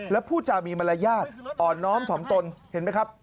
แล้วผู้จามีมารยาทอ่อนน้อมถ่อมตนเห็นไหมครับ